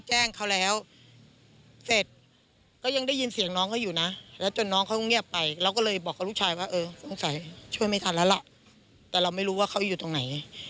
ช่วยไม่ทันแล้วล่ะแต่เราไม่รู้ว่าเขาอยู่ตรงไหน